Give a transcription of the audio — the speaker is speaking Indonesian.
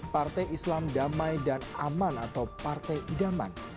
partai islam damai dan aman atau partai idaman